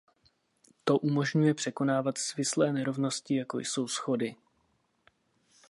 To umožňuje překonávat svislé nerovnosti jako jsou schody.